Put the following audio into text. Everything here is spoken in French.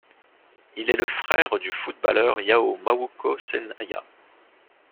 Il est le frère du footballeur Yao Mawuko Sènaya.